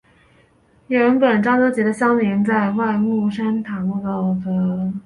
而原本漳州籍的乡民是在外木山搭木造小庙奉祀原乡的守护神开漳圣王。